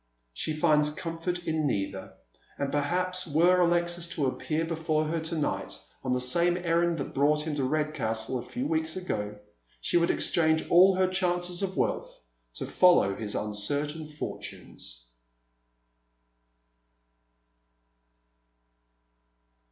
She finds comfort in neither, and perhaps, were Alexis to appear before her to night on tho same errand that brought him to Redcastle a few weeks ago, she would exchange all her chances of wealth to follow his uncertain foitunes.